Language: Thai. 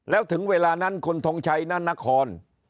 แล้วถึงเวลานั้นคุณทงชัยนานคร